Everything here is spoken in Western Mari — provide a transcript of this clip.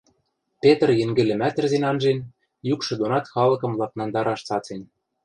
Петр йӹнгӹлӹмӓт ӹрзен анжен, юкшы донат халыкым ладнангдараш цацен